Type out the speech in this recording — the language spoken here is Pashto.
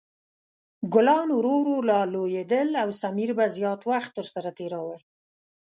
ګلان ورو ورو لا لویدل او سمیر به زیات وخت ورسره تېراوه.